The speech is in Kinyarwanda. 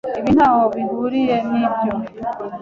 Ibi ntaho bihuriye nibyo.